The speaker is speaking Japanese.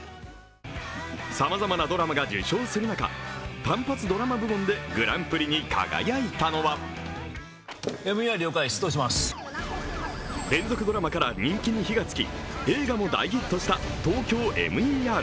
さまざまなドラマが受賞する中、単発ドラマ部門でグランプリに輝いたのは連続ドラマから人気に火がつき映画も大ヒットした「ＴＯＫＹＯＭＥＲ」。